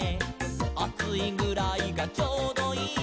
「『あついぐらいがちょうどいい』」